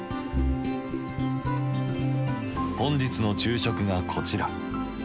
本日の昼食がこちら。